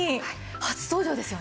初登場ですよね？